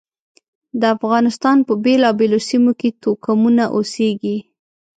د افغانستان په بېلابېلو سیمو کې توکمونه اوسېږي.